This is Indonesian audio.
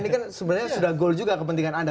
ini kan sebenarnya sudah goal juga kepentingan anda